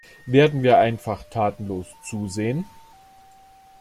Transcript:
Werden wir einfach tatenlos zusehen?